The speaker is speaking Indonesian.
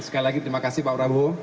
sekali lagi terima kasih pak prabowo